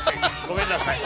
ごめんなさい。